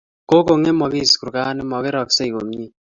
Kokong'emagis kurgani, mokeraksey komnye